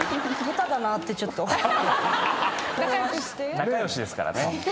仲良しですからね。